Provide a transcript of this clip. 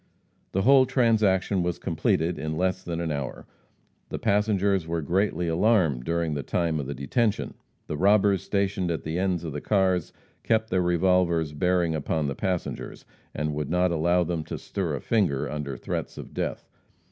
The whole transaction was completed in less than an hour. The passengers were greatly alarmed during the time of the detention. The robbers stationed at the ends of the cars kept their revolvers bearing upon the passengers, and would not allow them to stir a finger under threats of death.